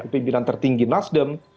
pemimpinan tertinggi nasdem